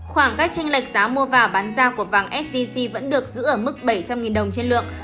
khoảng cách tranh lệch giá mua và bán ra của vàng sgc vẫn được giữ ở mức bảy trăm linh đồng trên lượng